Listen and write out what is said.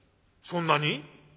「そんなに？